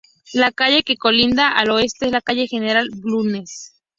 La calle que colinda al oeste, es la calle General Bulnes.